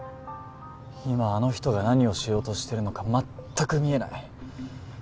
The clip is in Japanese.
今あの人が何をしようとしてるのか全く見えない。